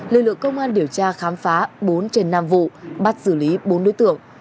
lực lượng công an điều tra khám phá bốn trên năm vụ bắt xử lý bốn đối tượng